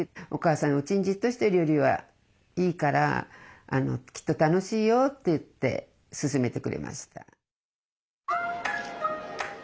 お母さんうちにじっとしてるよりはいいからきっと楽しいよ」と言って勧めてくれました。